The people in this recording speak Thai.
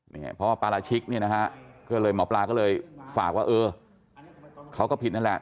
เพราะว่าปาราชิกหมอบลาก็เลยฝากว่าเออเขาก็ผิดนั่นแหละ